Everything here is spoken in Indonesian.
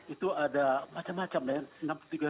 itu ada macam macam lah ya